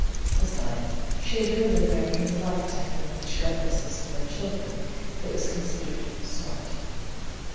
Besides, she had heard that Americans liked to have English governesses for their children; it was considered "smart."